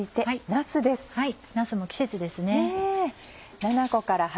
なすも季節ですね。